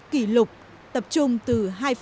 kỷ lục tập trung từ